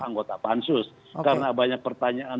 anggota pansus karena banyak pertanyaan